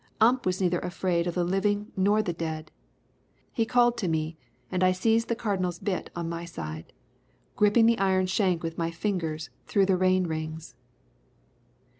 Ump was neither afraid of the living nor the dead. He called to me, and I seized the Cardinal's bit on my side, gripping the iron shank with my fingers through the rein rings.